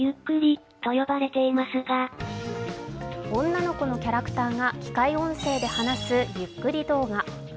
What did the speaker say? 女の子のキャラクターが機械音声で話すゆっくり動画。